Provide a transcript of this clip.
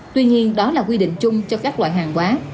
tuy nhiên đó là quy định chung cho các loại hàng hóa